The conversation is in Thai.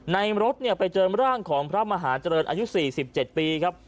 ในรถไปเจอร่างของพระมหาเจริญอายุ๔๗ปีครับ